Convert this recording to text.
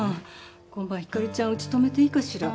今晩ひかりちゃんうち泊めていいかしら？